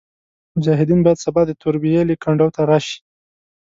مجاهدین باید سبا د توربېلې کنډو ته راشي.